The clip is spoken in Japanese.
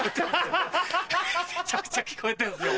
めちゃくちゃ聞こえてんですよ